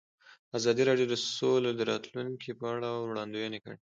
ازادي راډیو د سوله د راتلونکې په اړه وړاندوینې کړې.